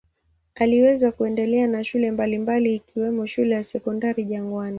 Aliweza kuendelea na shule mbalimbali ikiwemo shule ya Sekondari Jangwani.